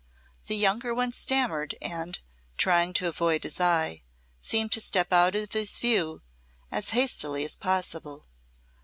The younger ones stammered and, trying to avoid his eye, seemed to step out of his view as hastily as possible.